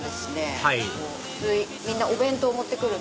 はいみんなお弁当持って来る。